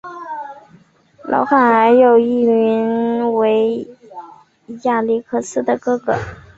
翰劳还有一个名为亚历克斯的哥哥。